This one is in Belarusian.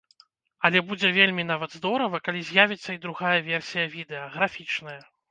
Але будзе вельмі нават здорава, калі з'явіцца і другая версія відэа, графічная!